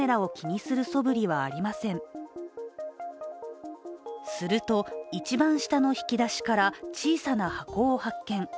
すると、一番下の引き出しから小さな箱を発見。